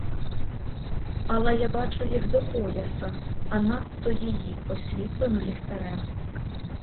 Але я бачу їх до пояса, а надто її, освітлену ліхтарем.